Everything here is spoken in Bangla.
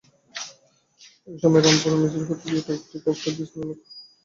একই সময়ে রামপুরায় মিছিল করতে গিয়ে কয়েকটি ককটেলের বিস্ফোরণ ঘটান জামায়াত-শিবিরের কর্মীরা।